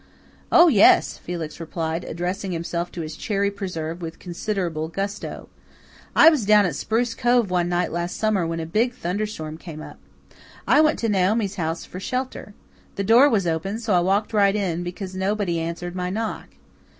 "Oh, yes," Felix replied, addressing himself to his cherry preserve with considerable gusto. "I was down at Spruce Cove one night last summer when a big thunderstorm came up. I went to Naomi's house for shelter. The door was open, so I walked right in, because nobody answered my knock.